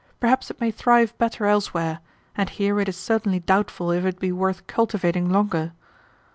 'Perhaps it may thrive better elsewhere, and here it is certainly doubtful if it be worth cultivating longer.'